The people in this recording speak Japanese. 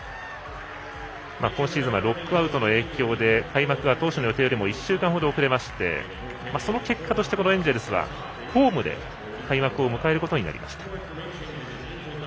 今シーズンはロックアウトの影響で開幕が当初の予定よりも１週間ほど遅れましてその結果としてエンジェルスはホームで開幕を迎えることになりました。